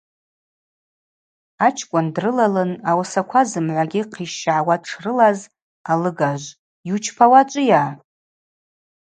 Ачкӏвын дрылалын ауасаква зымгӏвагьи хъищгӏауа дшрылаз алыгажв: – Йучпауа ачӏвыйа?